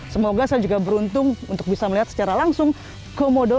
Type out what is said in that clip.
semoga saya juga beruntung untuk bisa melihat secara langsung komodo